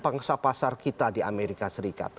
pangsa pasar kita di amerika serikat